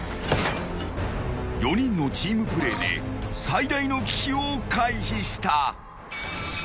［４人のチームプレーで最大の危機を回避した］